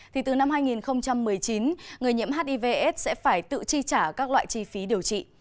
thì từ năm hai nghìn một mươi chín người nhiễm hivs sẽ phải tự chi trả các loại chi phí điều trị